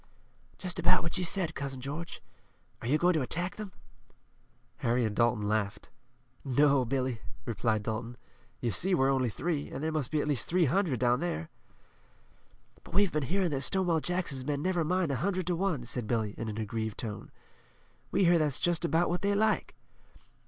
"Just about what you said, Cousin George. Are you going to attack them?" Harry and Dalton laughed. "No, Billy," replied Dalton. "You see we're only three, and there must be at least three hundred down there." "But we've been hearin' that Stonewall Jackson's men never mind a hundred to one," said Billy, in an aggrieved tone. "We hear that's just about what they like."